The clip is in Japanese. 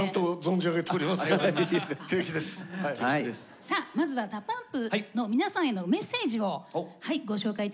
さあまずはＤＡＰＵＭＰの皆さんへのメッセージをご紹介いたしますね。